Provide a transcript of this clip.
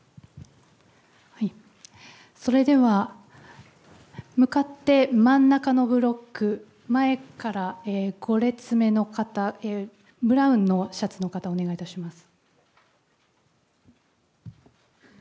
それでは、向かって真ん中のブロック、前から５列目の方、ブラウンのシャツの方、お願いいたします。